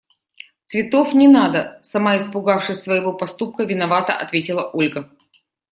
– Цветов не надо! – сама испугавшись своего поступка, виновато ответила Ольга.